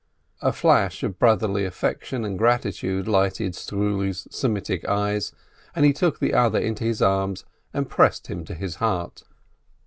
A flash of brotherly affection and gratitude lighted Struli's Semitic eyes, and he took the other into his arms, and pressed him to his heart.